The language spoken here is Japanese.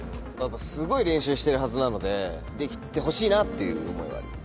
すごい練習してるはずなのでできてほしいなっていう思いはあります。